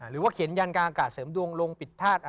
หรือว่าเขียนยันกลางอากาศเสริมดวงลงปิดธาตุ